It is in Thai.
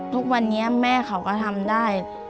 ทุกวันนี้แม่เขาก็ทำได้